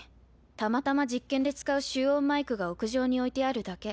たまたま実験で使う集音マイクが屋上に置いてあるだけ。